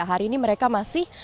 hari ini mereka masih